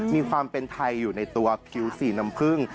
มีความเป็นไทยอยู่ในตัวผิวสีน้ำผึ้ง